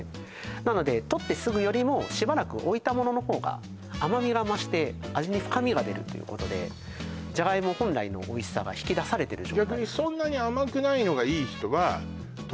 なのでとってすぐよりもしばらく置いたものの方が甘みが増して味に深みが出るということでじゃがいも本来のおいしさが引き出されてる状態逆にはいそうですね